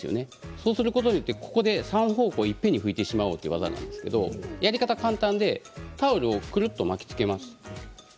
そうすることによって３方向いっぺんに拭いてしまおうという技なんですが、やり方は簡単でタオルををくるっと巻きつけます。